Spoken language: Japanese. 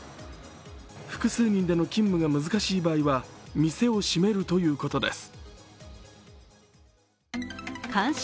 複数人での勤務が難しい場合は店を閉めるということです。